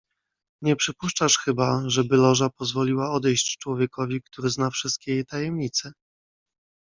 "Nie przypuszczasz chyba, żeby Loża pozwoliła odejść człowiekowi, który zna wszystkie jej tajemnice?"